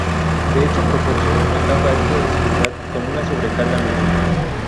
De hecho, proporciona una capa extra de seguridad con una sobrecarga mínima.